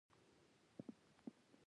د صداقت میوه باور دی.